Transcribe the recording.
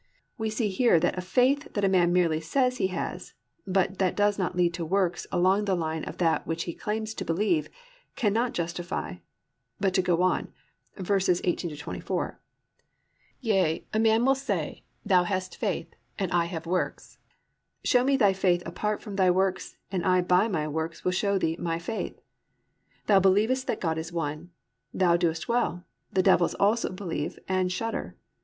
"+ We see here that a faith that a man merely says he has, but that does not lead to works along the line of that which he claims to believe, cannot justify, but to go on, verses 18 24, +"Yea, a man will say, thou hast faith, and I have works, show me thy faith apart from thy works, and I by my works will show thee my faith. Thou believest that God is one; thou doest well: the devils also believe and shudder.